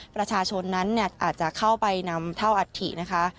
ประชาชนนั้นอาจจะเข้าไปนำเท่าอัฐินะคะ